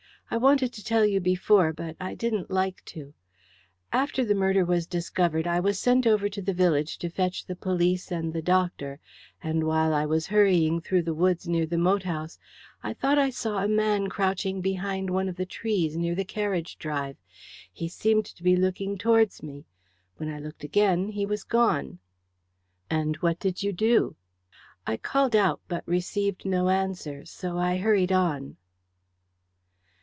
I wanted to tell you before, but I didn't like to. After the murder was discovered I was sent over to the village to fetch the police and the doctor, and while I was hurrying through the woods near the moat house I thought I saw a man crouching behind one of the trees near the carriage drive. He seemed to be looking towards me. When I looked again he was gone." "And what did you do?" "I called out, but received no answer, so I hurried on."